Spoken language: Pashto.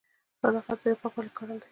صداقت د زړه د پاکوالي ښکارندوی دی.